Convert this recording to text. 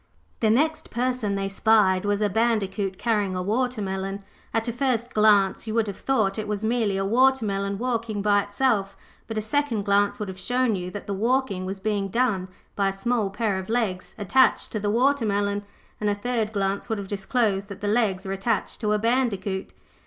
The next person they spied was a Bandicoot carrying a watermelon. At a first glance you would have thought it was merely a watermelon walking by itself, but a second glance would have shown you that the walking was being done by a small pair of legs attached to the watermelon, and a third glance would have disclosed that the legs were attached to a Bandicoot.